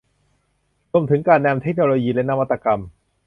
รวมถึงการนำเทคโนโลยีและนวัตกรรม